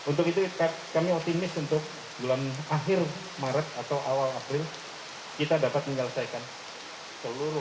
untuk itu kami optimis untuk bulan akhir maret atau awal april kita dapat menyelesaikan seluruh